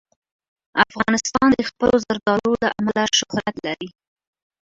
افغانستان د خپلو زردالو له امله شهرت لري.